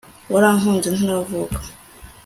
warankunze ntaravuka